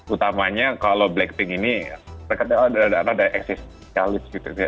utamanya kalau blackpink ini mereka ada eksistensialis gitu